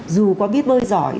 dù có biết bơi giỏi